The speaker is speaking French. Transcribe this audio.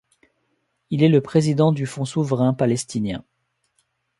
Il est le président du fonds souverain palestinien.